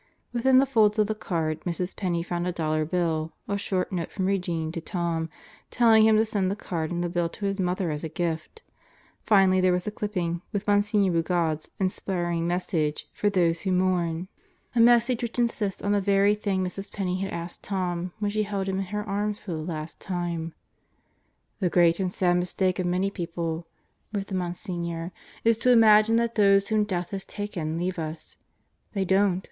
Within the folds of the card, Mrs. Penney found a dollar bill, a short note from Regene to Tom, telling him to send the card and the bill to his Mother as a gift; finally there was a clipping with Msgr. Bougaud's inspiring message for those who mourn; 190 God Goes to Murderer's Row a message which insists on the very thing Mrs. Penney had asked Tom when she held him in her arms for the last time. "The great and sad mistake of many people," wrote the Monsignor, "is to imagine that those whom death has taken, leave us. They don't.